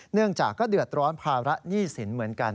เนื่องจากก็เดือดร้อนภาระหนี้สินเหมือนกัน